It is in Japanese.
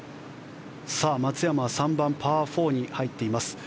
松山は３番、パー４に入っています。